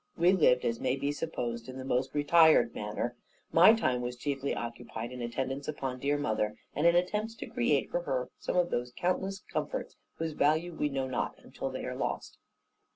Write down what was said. We lived, as may be supposed, in the most retired manner. My time was chiefly occupied in attendance upon dear mother, and in attempts to create for her some of those countless comforts, whose value we know not until they are lost.